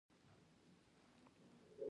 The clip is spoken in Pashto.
د کالیفورنیم په اټوم بم کې کارول کېږي.